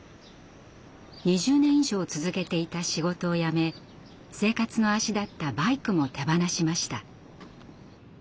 ２０年以上続けていた仕事をやめ生活の足だったバイクも手放しました。